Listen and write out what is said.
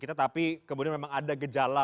tetapi kemudian memang ada gejala